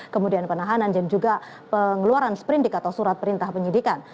kemudian penahanan dan juga pengeluaran sprint di kata surat perintah penyidikan